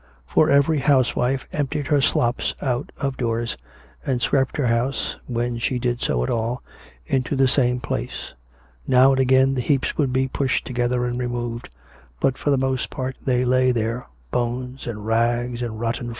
For every house wife emptied her slops out of doors, and swept her house (when she did so at all) into the same place : now and again the heaps would be pushed together and removed, but for the most part they lay there, bones and rags and rotten COME RACK!